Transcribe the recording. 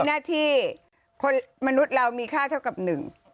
หน้าที่คนมนุษย์เรามีค่าเท่ากับหนึ่ง